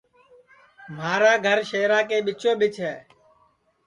مھارا گھر شہرا کے ٻیچو ٻیچ ہے